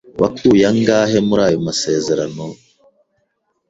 Wakuye angahe muri ayo masezerano?